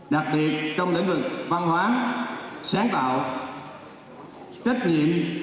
đặc biệt trong lĩnh vực văn hóa sáng tạo trách nhiệm